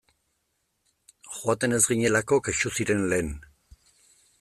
Joaten ez ginelako kexu ziren lehen.